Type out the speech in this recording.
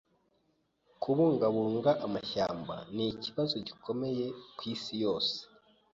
[S] Kubungabunga amashyamba nikibazo gikomeye kwisi yose.